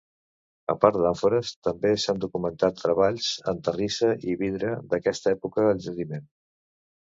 A part d'àmfores també s'han documentat treballs en terrissa i vidre d'aquesta època al jaciment.